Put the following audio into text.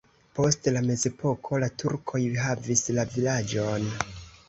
Post la mezepoko la turkoj havis la vilaĝon.